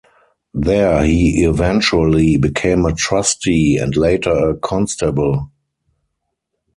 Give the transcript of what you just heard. There he eventually became a trustee, and later a constable.